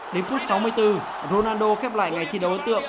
đến phút sáu mươi bốn ronaldo khép lại ngày thi đấu ấn tượng